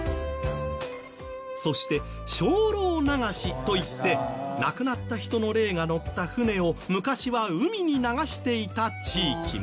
そして「精霊流し」といって亡くなった人の霊が乗った船を昔は海に流していた地域も。